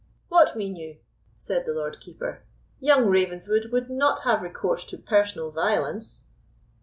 "What mean you?" said the Lord Keeper. "Young Ravenswood would not have recourse to personal violence?"